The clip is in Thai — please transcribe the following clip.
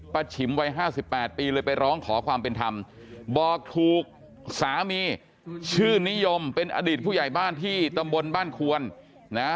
ฉิมวัย๕๘ปีเลยไปร้องขอความเป็นธรรมบอกถูกสามีชื่อนิยมเป็นอดีตผู้ใหญ่บ้านที่ตำบลบ้านควรนะ